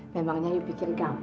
memangnya yu pikir gampang